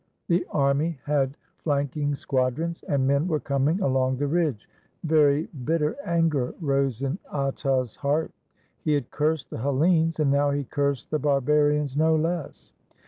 The army had flanking squadrons, and men were coming along the ridge. Very bitter anger rose in Atta's heart. He had cursed the Hellenes, and now he cursed the bar barians no less.